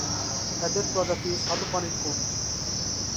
এদের প্রজাতি স্বাদুপানির কুমির।